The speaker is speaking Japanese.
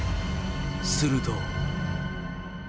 すると。